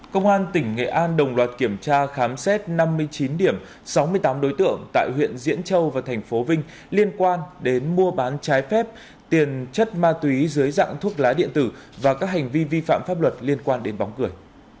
công an tỉnh nghệ an đồng loạt kiểm tra khám xét năm mươi chín điểm sáu mươi tám đối tượng tại huyện diễn châu và thành phố vinh liên quan đến mua bán trái phép tiền chất ma túy dưới dạng thuốc lá điện tử và các hành vi vi phạm pháp luật liên quan đến bóng cười